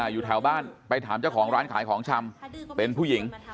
อยู่แถวบ้านไปถามเจ้าของร้านขายของชำเป็นผู้หญิง